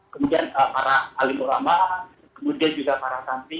kemudian para alim ulama kemudian juga para santri